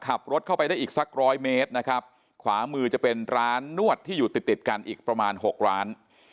ขับรถเข้าไปได้อีกสักร้อยเมตรนะครับขวามือจะเป็นร้านนวดที่อยู่ติดติดกันอีกประมาณหกร้าน